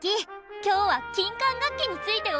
今日は金管楽器について教えてよ！